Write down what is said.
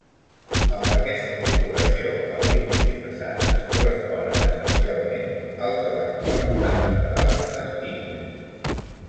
Amb aquesta incorporació, els límits diocesans es corresponen essencialment als de l'actual estat federal d'Estíria.